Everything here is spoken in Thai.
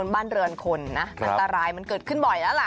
บ้านเรือนคนนะอันตรายมันเกิดขึ้นบ่อยแล้วล่ะ